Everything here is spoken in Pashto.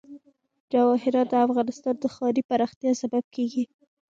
جواهرات د افغانستان د ښاري پراختیا سبب کېږي.